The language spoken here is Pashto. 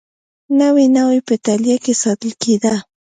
نوې ناوې په اېټالیا کې ساتل کېده